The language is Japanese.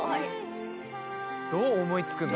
どう思い付くんだ？